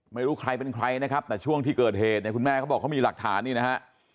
ไม่รู้ใครเป็นใครนะครับแต่ช่วงที่เกิดเหตุเนี่ยคุณแม่เขาบอกเขามีหลักฐานนี่นะฮะ